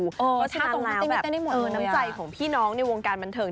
ก็ทานแล้วแบบน้ำใจของพี่น้องในวงการบันเทิง